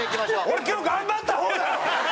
俺今日頑張った方だろ！